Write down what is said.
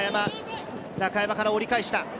中山から折り返した。